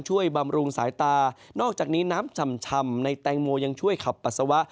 บำรุงสายตานอกจากนี้น้ำฉ่ำในแตงโมยังช่วยขับปัสสาวะ